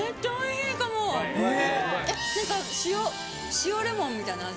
塩レモンみたいな味。